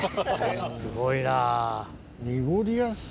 すごいな。